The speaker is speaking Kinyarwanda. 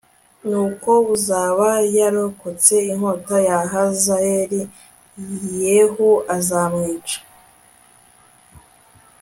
Nuko uzaba yarokotse inkota ya Hazayeli Yehu azamwica